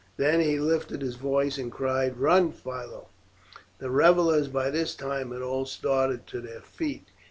Then he lifted his voice and cried, "Run, Philo!" The revellers by this time had all started to their feet.